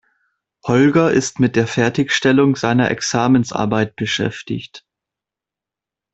Holger ist mit der Fertigstellung seiner Examensarbeit beschäftigt.